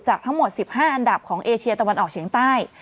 ทั้งหมด๑๕อันดับของเอเชียตะวันออกเฉียงใต้